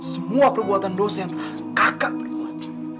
semua perbuatan dosa yang telah kakak perbuat